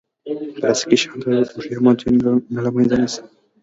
پلاستيکي شیان تر اوږدې مودې نه له منځه ځي.